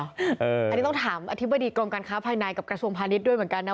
อันนี้ต้องถามอธิบดีกรมการค้าภายในกับกระทรวงพาณิชย์ด้วยเหมือนกันนะ